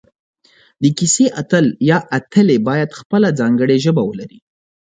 د کیسې اتل یا اتلې باید خپله ځانګړي ژبه ولري